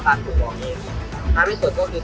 สวัสดีทุกคน